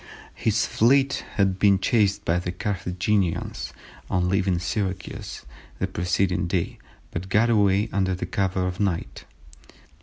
His fleet had been chased by the Carthaginians on leaving Syracuse the preceding day, but got away under the cover of night.